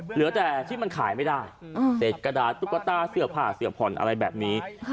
เหลือแต่ที่มันขายไม่ได้เศษกระดาษตุ๊กตาเสื้อผ้าเสือผ่อนอะไรแบบนี้